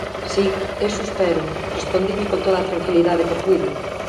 Si, iso espero —respondinlle con toda a tranquilidade que puiden.